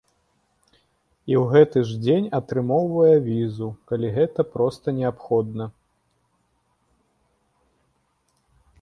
І ў гэты ж дзень атрымоўвае візу, калі гэта проста неабходна.